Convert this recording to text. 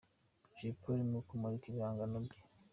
Jay Polly mu kumurika ibihangano bye.